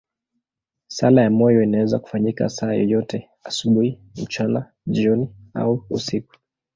Sala ya moyo inaweza kufanyika saa yoyote, asubuhi, mchana, jioni au usiku.